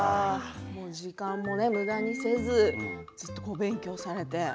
時間もむだにせずずっと勉強されて。